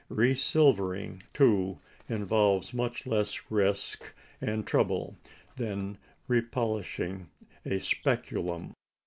Resilvering, too, involves much less risk and trouble than repolishing a speculum.